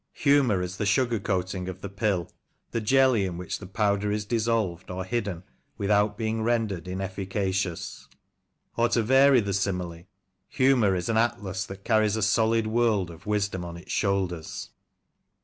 Humour is the "sugar coating of the pill, the jelly in which the powder is dissolved or hidden without being rendered inefficacious ; or to vary the simile, humour is an Atlas that carries a solid world of wisdom on its shoulders.